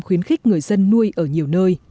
khuyến khích người dân nuôi ở nhiều nơi